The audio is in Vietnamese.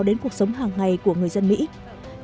đến cuộc sống hàng ngày của người dân mỹ